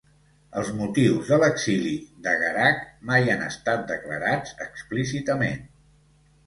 Els motius de l"exili de Garak mai han estat declarats explícitament.